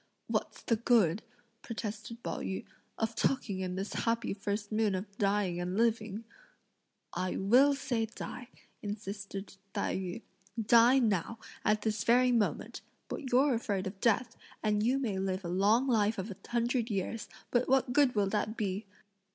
"What's the good," protested Pao yü, "of talking in this happy first moon of dying and of living?" "I will say die," insisted Tai yü, "die now, at this very moment! but you're afraid of death; and you may live a long life of a hundred years, but what good will that be!"